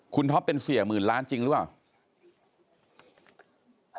คุณท็อปเป็นเสียหมื่นล้านจริงหรือเปล่า